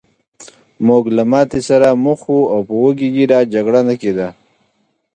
موږ له ماتې سره مخ وو او په وږې ګېډه جګړه نه کېده